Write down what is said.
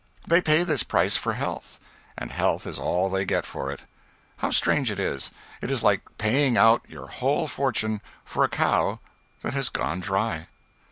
They pay this price for health. And health is all they get for it. How strange it is; it is like paying out your whole fortune for a cow that has gone dry.